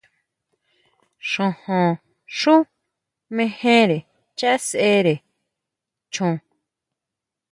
Xojón xú mejere chasjere chon.